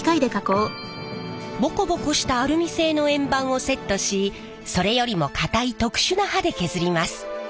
ボコボコしたアルミ製の円盤をセットしそれよりも硬い特殊な刃で削ります。